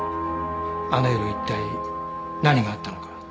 あの夜一体何があったのか。